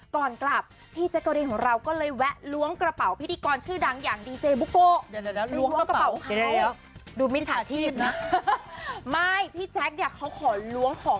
ก่อนกลับพี่แจ๊กเกาเดนของเราก็เลยแวะล้วงกระเป๋าพิธีกร